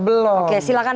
belum oke silahkan